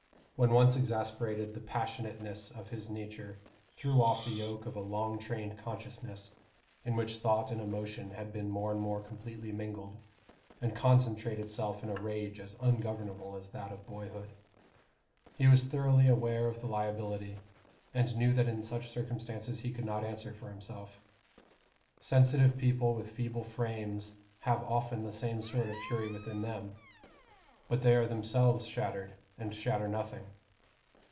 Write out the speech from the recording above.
When once exasperated, the passionateness of his nature threw off the yoke of a long trained consciousness in which thought and emotion had been more and more completely mingled, and concentrated itself in a rage as ungovernable as that of boyhood. He was thoroughly aware of the liability, and knew that in such circumstances he could not answer for himself. Sensitive people with feeble frames have often the same sort of fury within them; but they are themselves shattered, and shatter nothing.